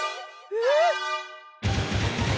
えっ！？